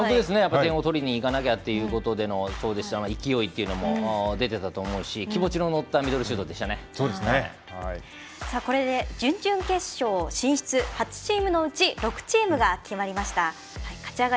点を取りにいったというところでの勢いというのも出てたと思うし気持ちの乗ったこれで準々決勝進出８チームのうち６チームが決まりました。